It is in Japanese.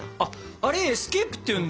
あれエスケープっていうんだ。